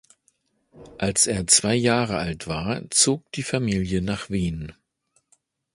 Als er zwei Jahre alt war, zog die Familie nach Wien.